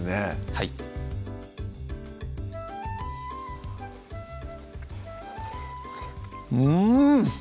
はいうん！